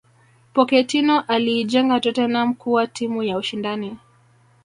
pochetino aliijenga tottenham kuwa timu ya ushindani